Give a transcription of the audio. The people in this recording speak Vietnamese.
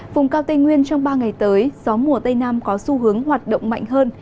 vùng cao tây nguyên trong ba ngày tới gió mùa tây nam có xu hướng hoạt động mạnh hơn